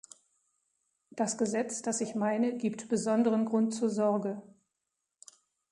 Das Gesetz, das ich meine, gibt besonderen Grund zur Sorge.